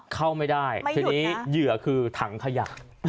เข้าไม่ได้ทีนี้เหยื่อคือถังขยะ